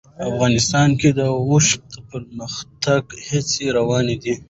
افغانستان کې د اوښ د پرمختګ هڅې روانې دي.